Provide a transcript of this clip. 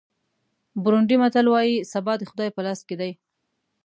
بورونډي متل وایي سبا د خدای په لاس کې دی.